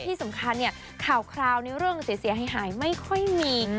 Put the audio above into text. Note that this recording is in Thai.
ที่สำคัญเนี่ยข่าวคราวในเรื่องเสียหายไม่ค่อยมี